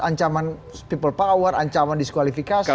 ancaman people power ancaman diskualifikasi